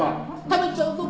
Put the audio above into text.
食べちゃうぞ！